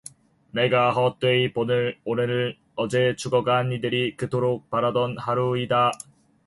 내가 헛되이 보낸 오늘은 어제 죽어간 이들이 그토록 바라던 하루이다.